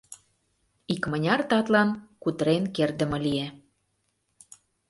Икмыняр татлан кутырен кертдыме лие.